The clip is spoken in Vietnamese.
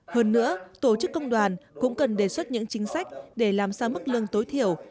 hơn nữa tổ chức công đoàn cũng cần đề xuất những chính sách để làm sao mức lương tối thiểu